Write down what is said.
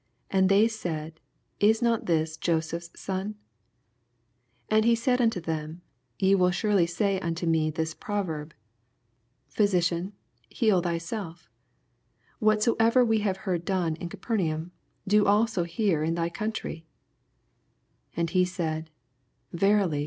And they said, Is not this Joseph^s son ? 23 And he said unto them, Ye will snrely say unto me this proverb, Physician, heal thyself: whatsoever we have neard done in Capernaum, do also here in thy country.